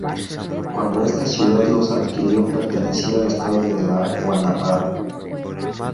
Cuando esta ciudad los adquirió pertenecía al Estado de la Guanabara.